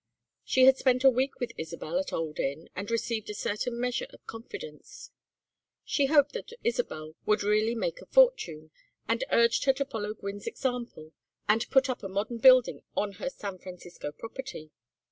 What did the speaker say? She had spent a week with Isabel at Old Inn, and received a certain measure of confidence. She hoped that Isabel would really make a fortune, and urged her to follow Gwynne's example and put up a modern building on her San Francisco property.